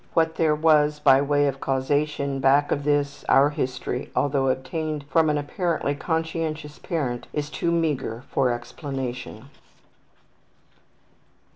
What there was by way of causation back of this, our history, although obtained from an apparently conscientious parent, is too meagre for explanation.